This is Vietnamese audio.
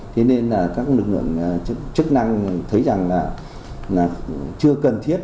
thế nên là các lực lượng chức năng thấy rằng là chưa cần thiết